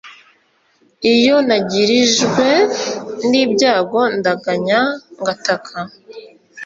iyo nagirijwe n’ibyago ndaganya ngataka